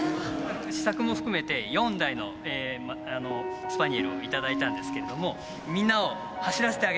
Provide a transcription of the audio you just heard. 試作も含めて４台のスパニエルを頂いたんですけれどもみんなを走らせてあげたい。